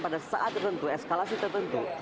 pada saat tentu eskalasi tertentu